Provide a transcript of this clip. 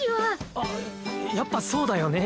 あっやっぱそうだよね。